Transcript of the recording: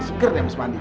seger nih habis mandi